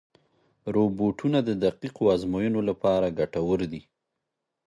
روبوټونه د دقیقو ازموینو لپاره ګټور دي.